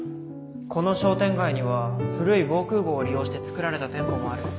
この商店街には古い防空ごうを利用して作られた店舗もある。